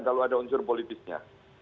kalau ada unsur politisnya